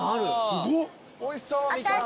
すごっ。